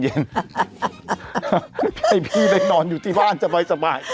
ให้พี่ไปนอนอยู่ที่บ้านสบาย